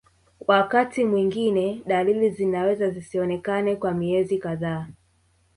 Wakati mwingine dalili zinaweza zisionekane kwa miezi kadhaa